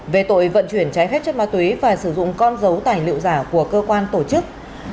về tội vận chuyển trái phép chất ma túy và sử dụng con dấu tài liệu giả của cơ quan tổ chức